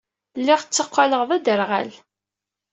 Lliɣ tteqqaleɣ d aderɣal.